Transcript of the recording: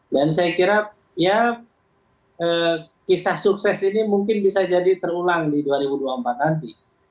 dan saya kira kisah sukses ini mungkin bisa jadi terulang di dua ribu dua puluh empat nanti